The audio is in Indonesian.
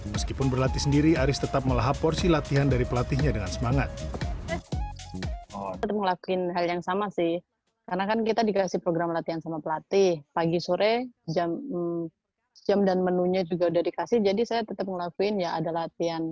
meskipun berlatih sendiri aris tetap melahap porsi latihan dari pelatihnya dengan semangat